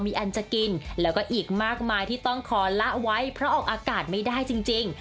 มีอันจะกินแล้วก็อีกมากมายที่ต้องขอละไว้เพราะออกอากาศไม่ได้จริง